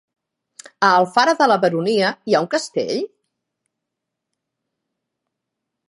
A Alfara de la Baronia hi ha un castell?